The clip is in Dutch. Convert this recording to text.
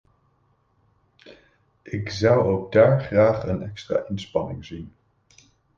Ik zou ook daar graag een extra inspanning zien.